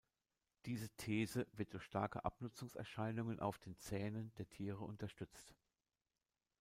Diese These wird durch starke Abnutzungserscheinungen auf den Zähnen der Tiere unterstützt.